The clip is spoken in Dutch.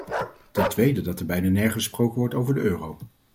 Ten tweede dat er bijna nergens gesproken wordt over de euro.